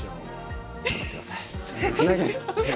頑張ってください。